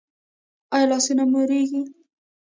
ایا لاسونه مو ریږدي؟